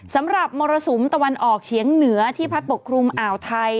สำหรับมรสุมตะวันออกเฉียงเหนือที่พัดปกครุมอ่าวไทย